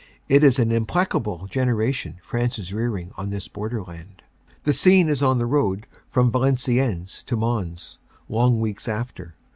It is an implacable generation France is rearing on this borderland. * The scene is on the road from Valenciennes to Mons, long weeks after.